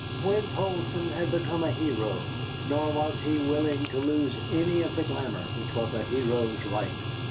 Swein Poulsson had become a hero, nor was he willing to lose any of the glamour which was a hero's right.